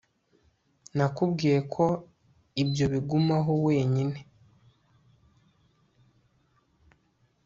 Nakubwiye ko ibyo bigumaho wenyine